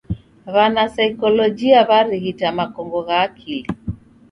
W'anasaikolojia w'arighita makongo gha akili.